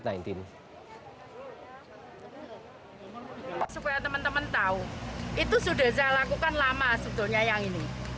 supaya teman teman tahu itu sudah saya lakukan lama sebetulnya yang ini